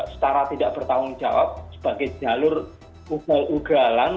setara tidak bertanggung jawab sebagai jalur ugal ugalan